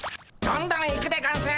どんどん行くでゴンス！